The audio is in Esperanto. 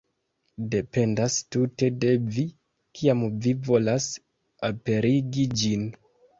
Dependas tute de vi, kiam vi volas aperigi ĝin.